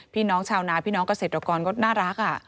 พี่น้องชาวนาพี่น้องเกษตรกรก็น่ารัก